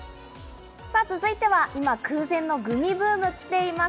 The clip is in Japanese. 続いては今空前のグミブーム、来ています。